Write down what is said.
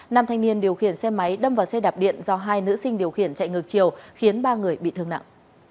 nam thanh niên điều khiển xe máy đâm vào xe đạp điện do hai nữ sinh điều khiển chạy ngược chiều khiến ba người bị thương nặng